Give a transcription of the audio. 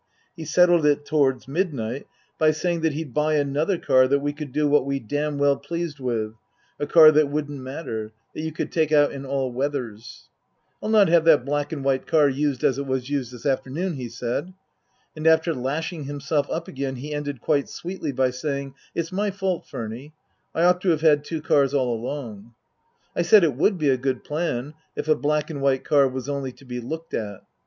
He settled it towards midnight by saying 251 252 Tasker Jevons that he'd buy another car that we could do what we damn pleased with a car that wouldn't matter that you could take out in all weathers. " I'll not have that black and white car used as it was used this afternoon/' he said. And after lashing himself up again he ended quite sweetly by saying, " It's my fault, Furny. I ought to have had two cars all along." I said it would be a good plan, if a black and white car was only to be looked at.